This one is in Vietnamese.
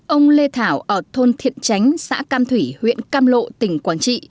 ông lê thảo ở thôn thiện tránh xã cam thủy huyện cam lộ tỉnh quảng trị